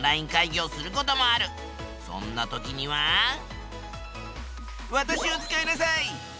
そんな時には私を使いなさい。